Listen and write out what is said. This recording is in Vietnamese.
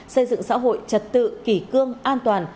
xây dựng xã hội trật tự kỷ cương an toàn